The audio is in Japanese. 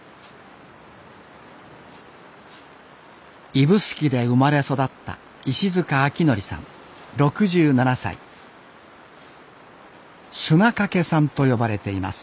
指宿で生まれ育った「砂かけさん」と呼ばれています。